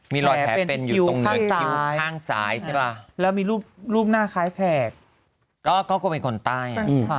มีรอยแผลเป็นอยู่ข้างซ้ายแล้วมีรูปหน้าคล้ายแผลกก็เป็นคนใต้